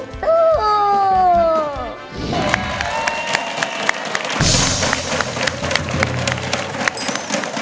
ฟูฟู